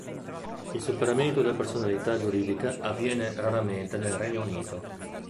Il superamento della personalità giuridica avviene raramente nel Regno Unito.